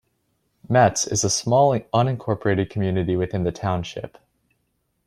Metz is a small unincorporated community within the township.